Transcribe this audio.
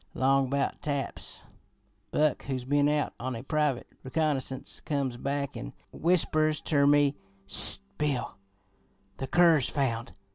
Long about taps, Buck, who's been out on a private reconnoissance, comes back an' whispers ter me: 'Ssst, Bill! The cur's found!